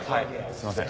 すいません。